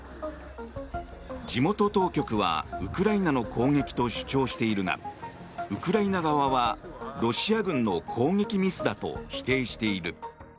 地元当局はウクライナの攻撃と主張しているがウクライナ側はロシア軍の攻撃ミスだと否定している。